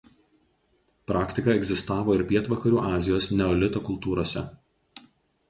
Praktika egzistavo ir Pietvakarių Azijos neolito kultūrose.